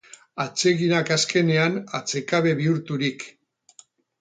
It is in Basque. Atseginak azkenean atsekabe bihurturik.